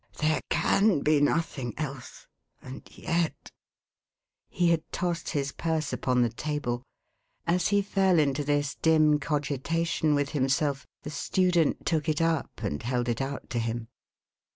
"There can be nothing else, and yet " He had tossed his purse upon the table. As he fell into this dim cogitation with himself, the student took it up, and held it out to him.